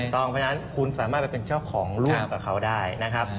เพราะฉะนั้นคุณสามารถไปเป็นเจ้าของร่วมกับเขาได้นะครับ